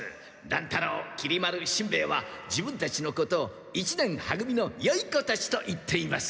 乱太郎きり丸しんべヱは自分たちのことを「一年は組のよい子たち」と言っていますから。